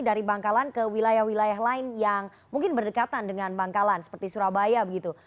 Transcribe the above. dari bangkalan ke wilayah wilayah lain yang mungkin berdekatan dengan bangkalan seperti surabaya begitu